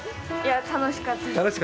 楽しかったです。